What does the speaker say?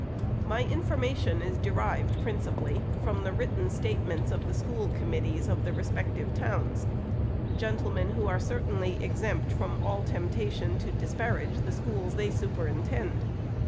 My information is derived, principally, from the written statements of the school committees of the respective towns, — gentlemen who are certainly exempt from all temptation to disparage the schools they superintend.